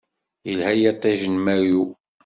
Yelha yiṭij n mayu.